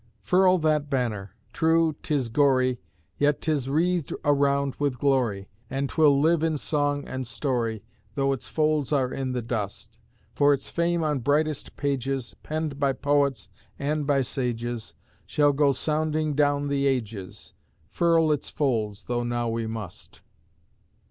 Furl that Banner! True, 'tis gory, Yet 'tis wreathed around with glory, And 'twill live in song and story, Though its folds are in the dust: For its fame on brightest pages, Penned by poets and by sages, Shall go sounding down the ages, Furl its folds though now we must.